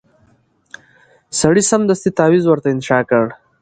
سړي سمدستي تعویذ ورته انشاء کړ